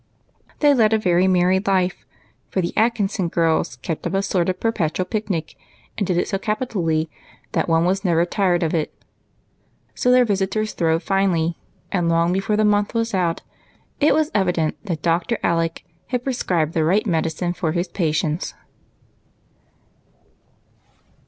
They led a very merry life ; for the Atkinson girls kept up a sort of perpetual picnic ; and did it so capi tally, that one was never tired of it. So their visitors throve finely, and long before the month was out it was evident that Dr. Alec had prescribed the right medicine for his patients.